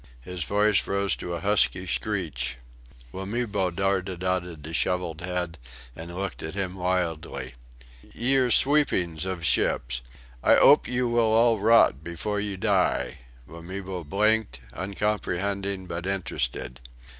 His voice rose to a husky screech. Wamibo darted out a dishevelled head, and looked at him wildly. "Ye're sweepings ov ships! I 'ope you will all rot before you die!" Wamibo blinked, uncomprehending but interested.